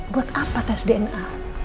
buat apa tes dna